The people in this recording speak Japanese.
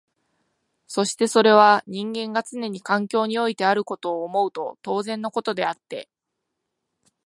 そしてそれは人間がつねに環境においてあることを思うと当然のことであって、